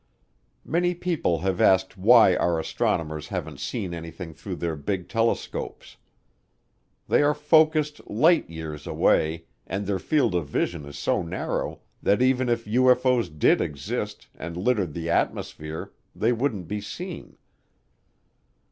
Many people have asked why our astronomers haven't seen anything through their big telescopes. They are focused light years away and their field of vision is so narrow that even if UFO's did exist and littered the atmosphere they wouldn't be seen.